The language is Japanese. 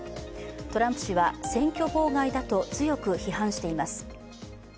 トランプ氏は選挙妨害だと強く批判しています。